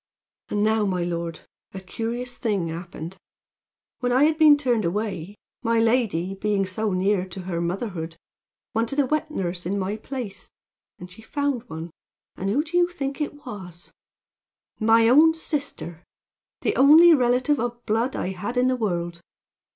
"And now, my lord, a curious thing happened. When I had been turned away, my lady, being so near to her motherhood, wanted a wet nurse in my place, and she found one; and who do you think it was? "My own sister! the only relative of blood I had in the world.